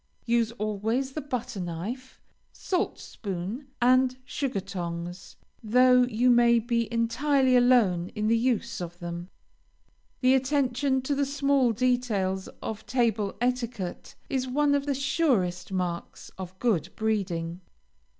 Use, always, the butter knife, salt spoon, and sugar tongs, though you may be entirely alone in the use of them. The attention to the small details of table etiquette is one of the surest marks of good breeding.